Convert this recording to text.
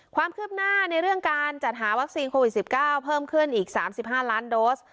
ความคืบหน้าในเรื่องการจัดหาวัคซีนโควิดสิบเก้าเพิ่มขึ้นอีกสามสิบห้านล้านโดส